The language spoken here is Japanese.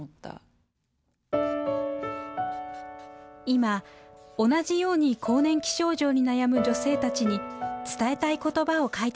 今、同じように更年期症状に悩む女性たちに伝えたい言葉を書いてくれました。